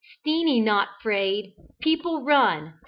"Steenie not 'fraid. People run.